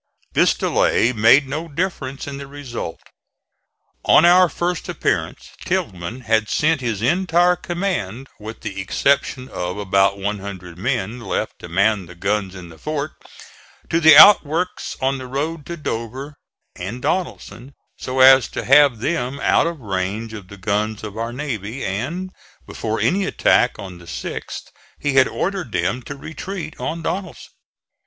This delay made no difference in the result. On our first appearance Tilghman had sent his entire command, with the exception of about one hundred men left to man the guns in the fort, to the outworks on the road to Dover and Donelson, so as to have them out of range of the guns of our navy; and before any attack on the 6th he had ordered them to retreat on Donelson.